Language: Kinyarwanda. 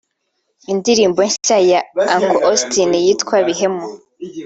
Indirimbo nshya ya Uncle Austin yitwa “Bihemu”